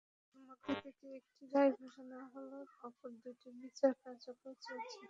তার মধ্য থেকে একটির রায় ঘোষণা হলো, অপর দুটির বিচার কার্যক্রম চলছে।